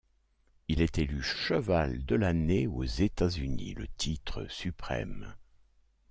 Il est élu cheval de l'année aux États-Unis, le titre suprême.